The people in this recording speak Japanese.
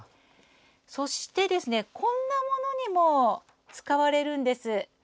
そしてこんなものにも使われるんです。